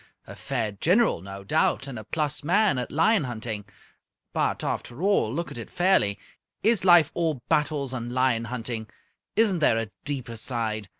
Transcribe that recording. A fair general, no doubt, and a plus man at lion hunting. But, after all look at it fairly is life all battles and lion hunting? Isn't there a deeper side?